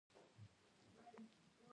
دوی ځانګړي ډول مڼې لري.